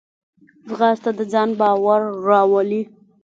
ځغاسته د ځان باور راولي